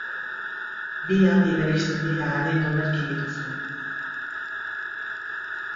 Bi aldi bereizten dira haren olerkigintzan.